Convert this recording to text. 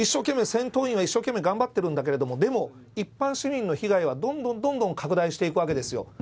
戦闘員は一生懸命頑張ってるんだけどでも、一般市民の被害はどんどん拡大していくわけですよ。